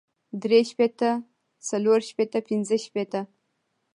درې شپېته څلور شپېته پنځۀ شپېته